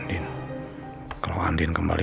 terus siap dia bukan adam itu saja